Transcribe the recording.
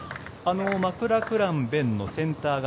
マクラクラン勉のセンター側